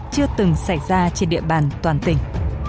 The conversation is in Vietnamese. chưa từng xảy ra trên địa bàn toàn tỉnh